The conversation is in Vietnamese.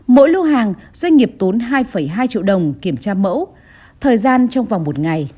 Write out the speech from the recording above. mỗi lô hàng doanh nghiệp tốn hai hai triệu đồng kiểm tra mẫu thời gian trong vòng một ngày